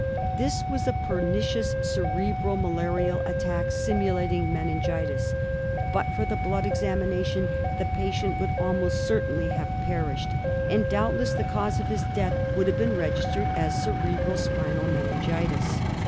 This was a pernicious cerebro malarial attack simu lating meningitis. But for the blood examination the patient would almost certainly have perished, and doubt less the cause of his death would have been registered cerebro spinal meningitis.